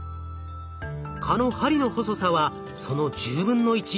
蚊の針の細さはその１０分の１。